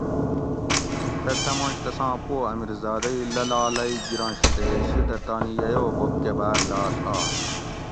سہ ڷمنش تساں پو امیرزادہ ئ للالۓ گرنش تے شیٹہ تانی یئ او بوب کہ باۤر لاڷ آش